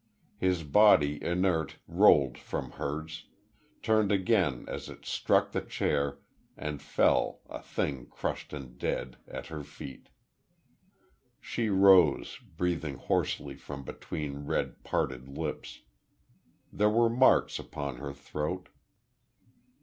His body, inert, rolled from hers, turned again as it struck the chair, and fell, a thing crushed and dead, at her feet.... She rose, breathing hoarsely from between red, parted lips. There were marks upon her throat....